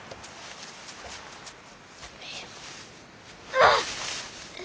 あっ！